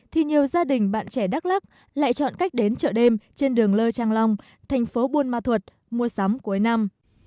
thì nhiều gia đình bạn trẻ đắk lắc lại chọn cách đến chợ đêm trên đường lơ trang long thành phố buôn ma thuật mua sắm cuối năm